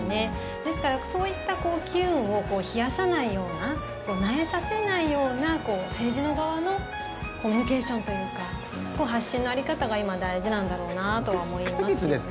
ですから、そういった機運を冷やさないようななえさせないような政治の側のコミュニケーションというか発信の在り方が、今大事なんだろうなと思いますね。